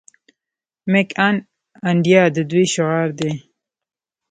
میک ان انډیا د دوی شعار دی.